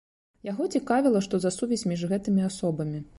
Яго цікавіла, што за сувязь між гэтымі асобамі.